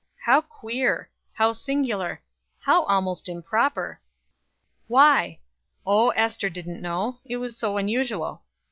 How queer! how singular! how almost improper! Why? Oh, Ester didn't know; it was so unusual.